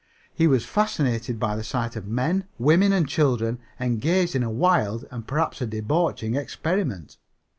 He was fascinated by the sight of men, women and children engaged in a wild and, perhaps, a debauching experiment.